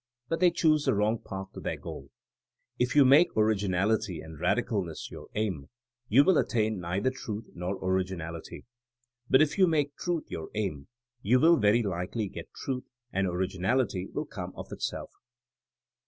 But they choose the wrong path to their goal. If you make originality and radicalness your aim, you will attain neither truth nor originality. But if you make truth your aim you will very likely get truth, and originality will come of itself.